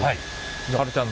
春ちゃん